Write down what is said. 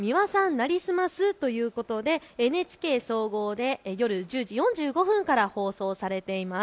なりすますということでＮＨＫ総合で夜１０時４５分から放送されています。